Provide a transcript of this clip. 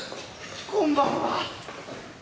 こんばんは。